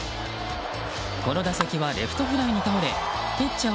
この打席はレフトフライに倒れピッチャー